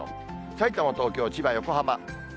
さいたま、東京、千葉、横浜。